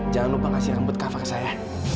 jangan lupa kasih amput kafa ke saya